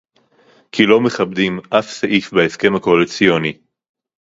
כי לא מכבדים אף סעיף בהסכם הקואליציוני